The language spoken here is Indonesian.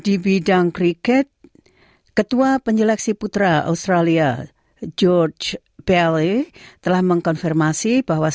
di bidang kriket ketua penjeleksi putra australia george belley telah mengkonfirmasi bahwa